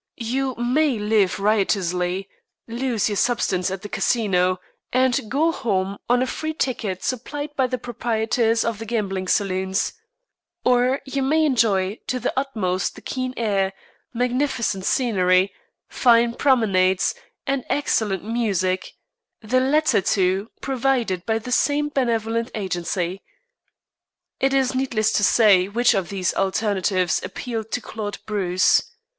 You may live riotously, lose your substance at the Casino, and go home on a free ticket supplied by the proprietors of the gambling saloons, or you may enjoy to the utmost the keen air, magnificent scenery, fine promenades, and excellent music the two latter provided by the same benevolent agency. It is needless to say which of these alternatives appealed to Claude Bruce.